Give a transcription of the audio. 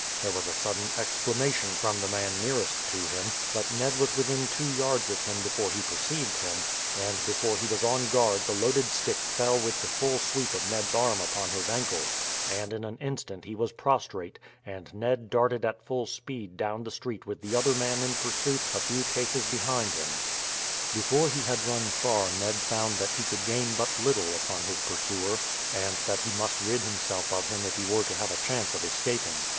There was a sudden exclamation from the man nearest to him; but Ned was within two yards of him before he perceived him, and before he was on guard the loaded stick fell with the full sweep of Ned's arm upon his ankle, and in an instant he was prostrate, and Ned darted at full speed down the street with the other man in pursuit a few paces behind him. Before he had run far Ned found that he could gain but little upon his pursuer, and that he must rid himself of him if he were to have a chance of escaping.